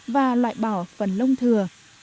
và loại bỏ phần lông thừa